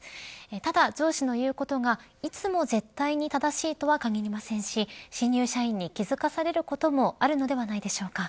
ただ、上司の言うことがいつも絶対に正しいとは限りませんし新入社員に気付かされることもあるのではないでしょうか。